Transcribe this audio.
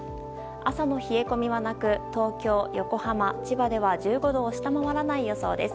朝の冷え込みはなく東京、横浜、千葉では１５度を下回らない予想です。